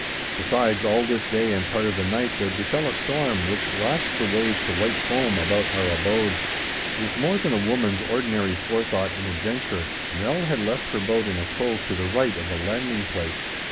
Besides, all this day and part of the night there befel a storm which lashed the waves to white foam about our abode. With more than a woman's ordinary forethought in adventure, Nell had left her boat in a cove to the right of the landing place.